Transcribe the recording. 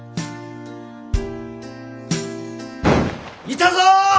いたぞ！